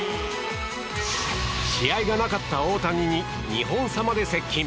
試合がなかった大谷に２本差まで接近。